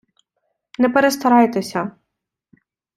Не перестарайтеся.